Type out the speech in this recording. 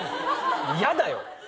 嫌だよ。